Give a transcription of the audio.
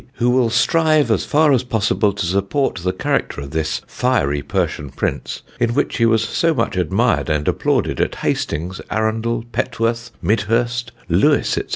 "who will strive as far as possible to support the character of this fiery Persian Prince, in which he was so much admired and applauded at Hastings, Arundel, Petworth, Midhurst, Lewes, &c."